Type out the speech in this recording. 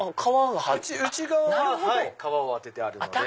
内側は革を当ててあるので。